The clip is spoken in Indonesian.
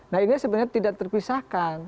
nah ini sebenarnya tidak terpisahkan